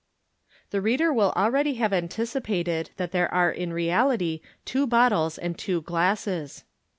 The reader will already have anticipated that there are in reality two bottles and two glasses.